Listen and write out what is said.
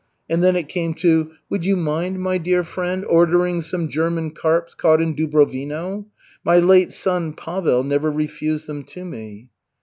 And then it came to: "Would you mind, my dear friend, ordering some German carps caught in Dubrovino? My late son Pavel never refused them to me."